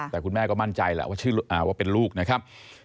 แต่คุณแม่ก็มั่นใจแหละว่าเป็นลูกนะครับ